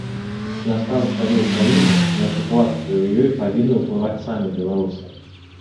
На стан сваёй краіны, на сітуацыю ў ёй павінны ўплываць самі беларусы.